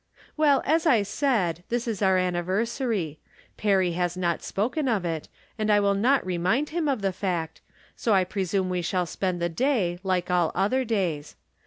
Well, as I said, this is our anniversary. Perry has not spoken of it, and I wiU. not remind him of the fact, so I presume we shall spend the day like all other days.